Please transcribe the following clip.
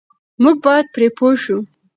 موږ بايد پرې پوه شو.